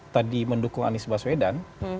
tadi mendukung anies baswedan